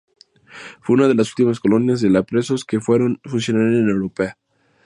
Fue una de las últimas colonias de leprosos que funcionaron en Europa.